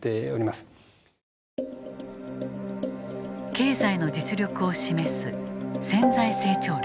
経済の実力を示す潜在成長率。